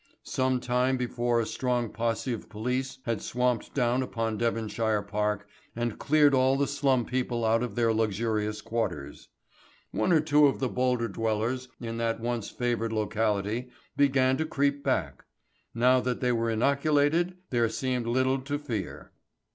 Some time before a strong posse of police had swamped down upon Devonshire Park and cleared all the slum people out of their luxurious quarters. One or two of the bolder dwellers in that once favoured locality began to creep back. Now that they were inoculated there seemed little to fear.